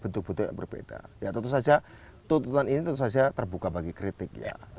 tentu saja tuntutan ini terbuka bagi kritik